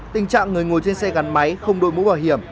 tình trạng người ngồi trên xe gắn máy không đội mũ bảo hiểm